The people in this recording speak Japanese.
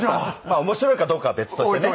面白いかどうかは別としてね。